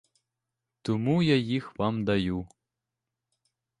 Тому я їх вам даю.